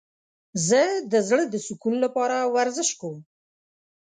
زه د زړه د سکون لپاره ورزش کوم.